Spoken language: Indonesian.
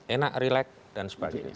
enak relax dan sebagainya